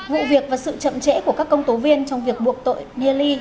vụ việc và sự chậm trễ của các công tố viên trong việc buộc tội yelly